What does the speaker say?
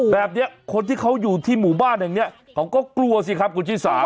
แบบนี้คนที่เขาอยู่ที่หมู่บ้านแห่งนี้เขาก็กลัวสิครับคุณชิสา